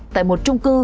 tại một trung cư